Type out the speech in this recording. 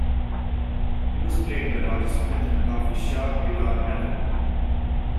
It was played by Roger Smith in a coffee shop guitar battle.